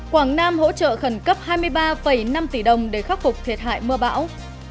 quảng nam hỗ trợ khẩn cấp hai mươi ba năm tỷ đồng để khắc phục thiệt hại mưa bão